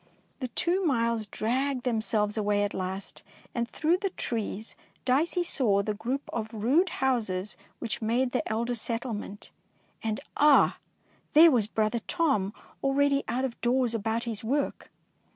The two miles dragged them selves away at last, and through the trees Dicey saw the group of rude houses which made the Elder Settle 254. DICEY LANGSTON ment, and ah ! there was brother Tom already out of doors about his work.